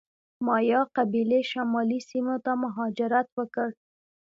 مایا قبیلې شمالي سیمو ته مهاجرت وکړ.